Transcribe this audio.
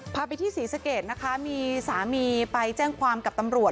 พาไปที่ศรีสะเกดนะคะมีสามีไปแจ้งความกับตำรวจ